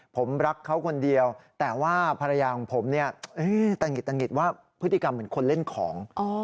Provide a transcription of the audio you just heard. ผมรักเขาคนเดียวแต่ว่าภรรยาของผมเนี่ยตะหิดตะหิดว่าพฤติกรรมเหมือนคนเล่นของ